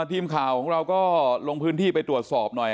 ทีมข่าวของเราก็ลงพื้นที่ไปตรวจสอบหน่อย